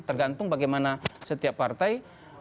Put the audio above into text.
tergantung bagaimana setiap partai